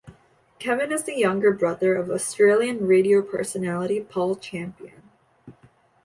Kevin is the younger brother of Australian radio personality Paul Campion.